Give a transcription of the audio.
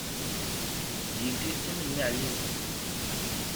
Yif-iten mmi ɛzizen.